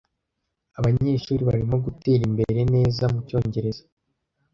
Abanyeshuri barimo gutera imbere neza mucyongereza.